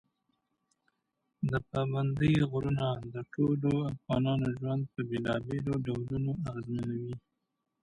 پابندي غرونه د ټولو افغانانو ژوند په بېلابېلو ډولونو اغېزمنوي.